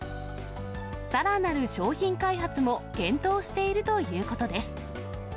さらなる商品開発も検討しているということです。